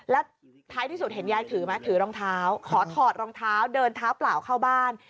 แล้วท้ายที่สุดเห็นยายถือไหมถือรองเท้าขอถอดรองเท้าเดินเท้าเปล่าเข้าบ้าน